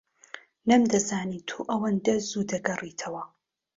نەمدەزانی تۆ ئەوەندە زوو دەگەڕێیتەوە.